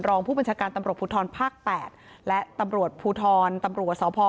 รองผู้บัญชาการตำรกภูทรภาคแปดและตำรวจภูทร